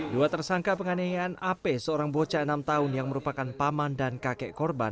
dua tersangka penganiayaan ap seorang bocah enam tahun yang merupakan paman dan kakek korban